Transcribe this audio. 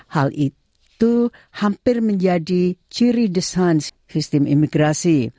hal itu hampir menjadi ciri desain sistem imigrasi